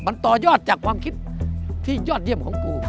มันต่อยอดจากความคิดที่ยอดเยี่ยมของกู